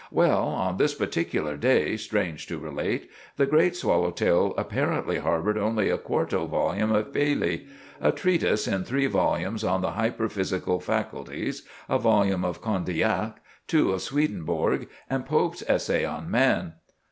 Well, on this particular day, strange to relate, the great swallowtail apparently harbored only a quarto volume of Bayle, a treatise in three volumes on the hyperphysical faculties, a volume of Condillac, two of Swedenborg, and Pope's "Essay on Man."